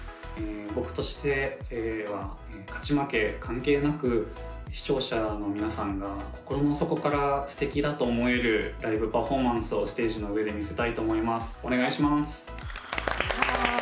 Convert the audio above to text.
僕としては勝ち負け関係なく視聴者の皆さんが心の底から素敵だと思えるライブパフォーマンスをステージの上で見せたいと思いますお願いします